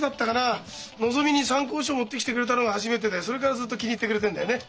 あのぞみに参考書持ってきてくれたのが初めてでそれからずっと気に入ってくれてるんだよね。